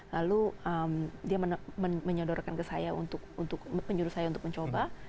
lalu dia menyodorkan ke saya untuk mencoba